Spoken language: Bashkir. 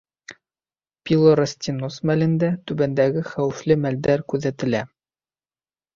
Пилоростеноз мәлендә түбәндәге хәүефле мәлдәр күҙәтелә: